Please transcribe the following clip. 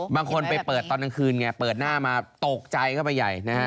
บางคนไปเปิดตอนกลางคืนไงเปิดหน้ามาตกใจเข้าไปใหญ่นะฮะ